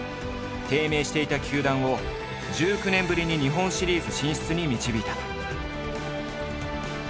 低迷していた球団を１９年ぶりに日本シリーズ進出に導いた。